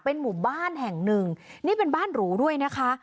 หมู่บ้านแห่งหนึ่งนี่เป็นบ้านหรูด้วยนะคะ